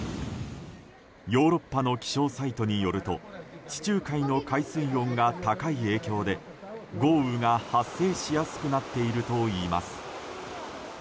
ヨーロッパの気象サイトによると地中海の海水温が高い影響で豪雨が発生しやすくなっているといいます。